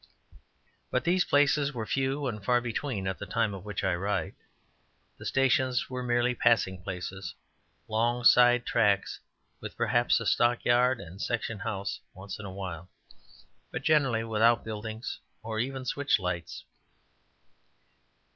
But these places were few and far between at the time of which I write; the stations were mere passing places, long side tracks, with perhaps a stock yard and section house once in a while, but generally without buildings or even switch lights.